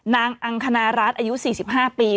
อังคณรัฐอายุ๔๕ปี